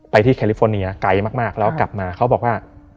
ที่แคลิฟอร์เนียไกลมากแล้วกลับมาเขาบอกว่า